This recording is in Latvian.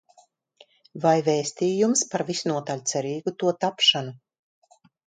Vai vēstījums par visnotaļ cerīgu to tapšanu.